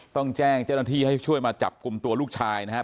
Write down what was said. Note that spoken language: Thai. ต้องแจ้งเจ้าหน้าที่ให้ช่วยมาจับกลุ่มตัวลูกชายนะครับ